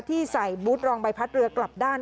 ที่ใส่บูธรองใบพัดเรือกลับด้าน